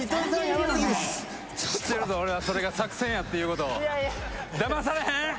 知ってるぞ俺はそれが作戦やっていうことをいやいやだまされへん！